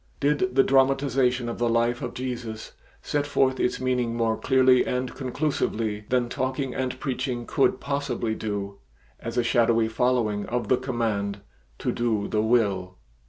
Did the dramatization of the life of Jesus set forth its meaning more clearly and conclusively than talking and preaching could possibly do as a shadowy following of the command "to do the will"?